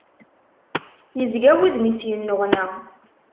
Yezga wudem-is yennuɣna.